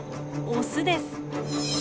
オスです。